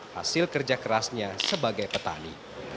hasil kerja kerasnya sebagai petani